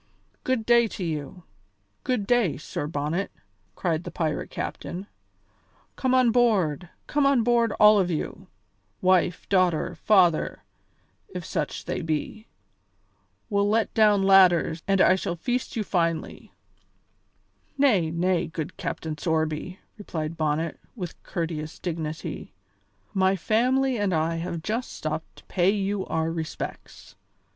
"Good day to you! Good day, Sir Bonnet," cried the pirate captain; "come on board, come on board, all of you, wife, daughter, father, if such they be! We'll let down ladders and I shall feast you finely." "Nay, nay, good Captain Sorby," replied Bonnet, with courteous dignity, "my family and I have just stopped to pay you our respects.